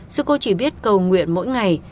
sư cô chỉ biết cầu nguyện mỗi ngày